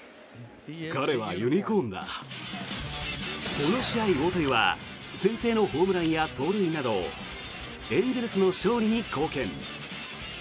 この試合、大谷は先制のホームランや盗塁などエンゼルスの勝利に貢献。